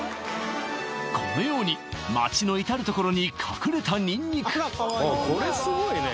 このように町の至る所に隠れたニンニクこれスゴいね